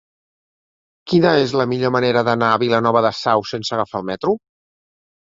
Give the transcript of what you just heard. Quina és la millor manera d'anar a Vilanova de Sau sense agafar el metro?